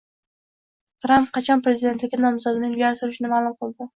Tramp qachon prezidentlikka nomzodini ilgari surishini ma’lum qilding